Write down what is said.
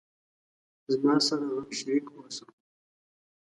زما سره غم شریک اوسه